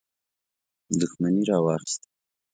دښمني راواخیسته.